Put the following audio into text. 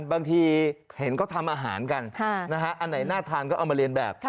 บางทีเห็นเขาทำอาหารกันอันไหนน่าทานก็เอามาเรียนแบบ